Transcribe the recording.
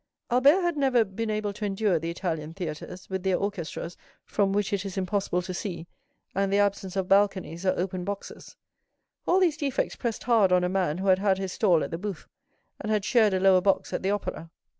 Albert had never been able to endure the Italian theatres, with their orchestras from which it is impossible to see, and the absence of balconies, or open boxes; all these defects pressed hard on a man who had had his stall at the Bouffes, and had shared a lower box at the Opera.